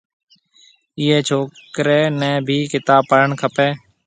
ايئي ڇوڪري نَي ڀِي ڪتاب پڙهڻ کپيَ۔